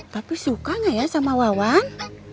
tapi sukanya ya sama wawan